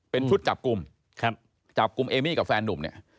เป็นชุดจับกลุ่มครับจับกลุ่มเอมี่กับแฟนนุ่มเนี่ย